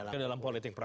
ke dalam politik praktis